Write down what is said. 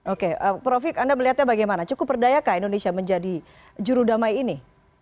oke prof hik anda melihatnya bagaimana cukup berdayakah indonesia menjadi jurudamai ini